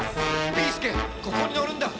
ビーすけここに乗るんだ！